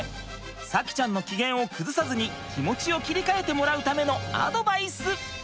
咲希ちゃんの機嫌を崩さずに気持ちを切り替えてもらうためのアドバイス！